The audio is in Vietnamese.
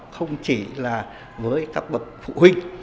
không chỉ là với các bậc phụ huynh